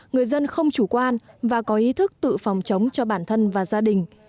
người dân không chủ quan và có ý thức tự phòng chống cho bản thân và gia đình